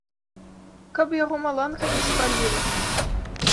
Каб яго маланка не спаліла!